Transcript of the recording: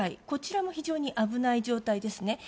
こちらも非常に危ない状態ですね。